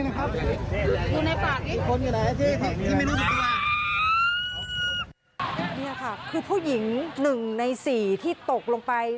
เนี่ยค่ะคือผู้หญิงหนึ่งในสีที่ตกลงไป